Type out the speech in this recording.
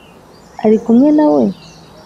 ari kumwe na we?